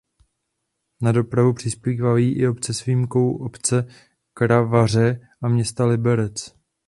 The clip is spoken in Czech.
Na dopravu přispívají i obce s výjimkou obce Kravaře a města Liberec.